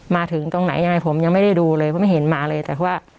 มาถึงตรงไหนยังไงผมยังไม่ได้ดูเลยเพราะไม่เห็นมาเลยแต่ว่า